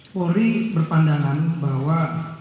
polri berpandangan bahwa